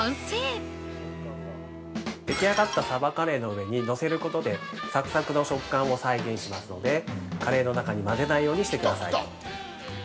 ◆出来上がったサバカレーの上に載せることで、サクサクの食感を再現しますので、カレーの中に混ぜないようにしてください。